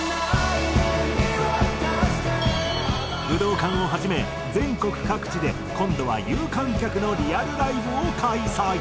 武道館をはじめ全国各地で今度は有観客のリアルライブを開催。